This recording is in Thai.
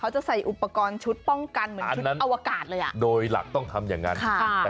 จะฤหาและด้วยหลักต้องทำอย่างนั้นค่ะ